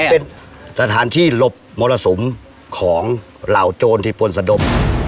อันนี้มันเป็นสถานที่หลบมรสมของเหล่าโจรที่ปนสะดบ